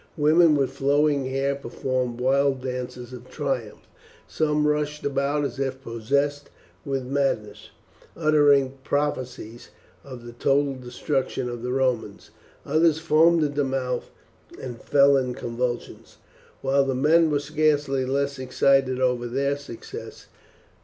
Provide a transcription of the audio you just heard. Women with flowing hair performed wild dances of triumph; some rushed about as if possessed with madness, uttering prophecies of the total destruction of the Romans; others foamed at the mouth and fell in convulsions, while the men were scarcely less excited over their success.